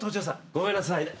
ごめんなさいね。